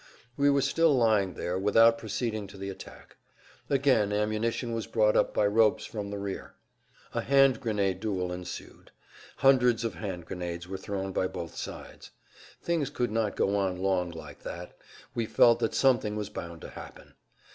We were still lying there without proceeding to the[Pg 176] attack. Again ammunition was brought up by ropes from the rear. A hand grenade duel ensued; hundreds of hand grenades were thrown by both sides. Things could not go on long like that; we felt that something was bound to happen.